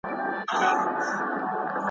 درې څلور ځله یې لیري کړ له کلي ,